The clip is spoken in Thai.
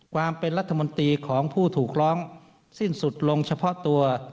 ความเป็นรัฐมนตรีของผู้ถูกร้องสิ้นสุดลงเฉพาะตัว